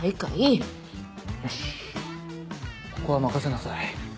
よしここは任せなさい。